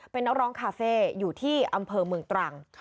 เป็นนักร้องคาเฟ่อยู่ที่อำเภอเมืองตรัง